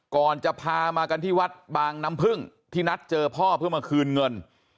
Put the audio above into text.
ก่อนจะพามากันที่วัดบางน้ำพึ่งที่นัดเจอพ่อเพื่อมาคืนเงิน